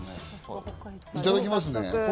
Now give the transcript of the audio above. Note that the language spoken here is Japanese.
いただきますね。